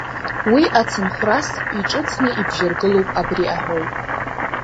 Уи ацынхәрас иҿыцны ибжьаргылоуп абри аҳәоу…